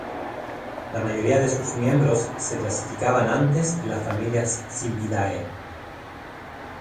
La mayoría de sus miembros se clasificaban antes en la familia Sylviidae.